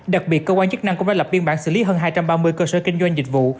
đặc biệt cơ quan chức năng cũng đã lập biên bản xử lý hơn hai trăm ba mươi cơ sở kinh doanh dịch vụ